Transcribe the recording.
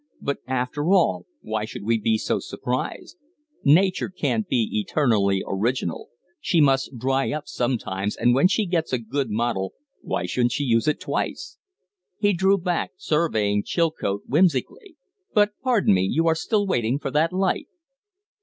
"But after all, why should we be so surprised? Nature can't be eternally original; she must dry up sometimes, and when she gets a good model why shouldn't she use it twice?" He drew back, surveying Chilcote whimsically. "But, pardon me, you are still waiting for that light!"